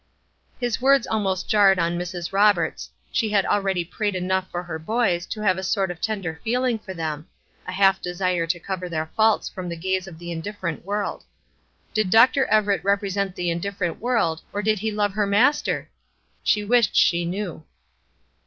His words almost jarred on Mrs. Roberts; she had already prayed enough for her boys to have a sort of tender feeling for them a half desire to cover their faults from the gaze of the indifferent world. Did Dr. Everett represent the indifferent world, or did he love her Master? She wished she knew.